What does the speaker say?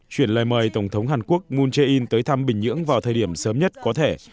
chuyển lời mời tổng thống hàn quốc moon jae in tới thăm bình nhưỡng vào thời điểm sớm nhất có thể